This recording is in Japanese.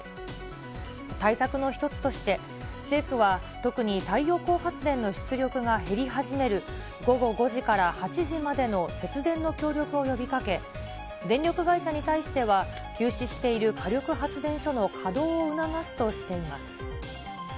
対策の１つとして、政府は、特に太陽光発電の出力が減り始める午後５時から８時までの節電の協力を呼びかけ、電力会社に対しては、休止している火力発電所の稼働を促すとしています。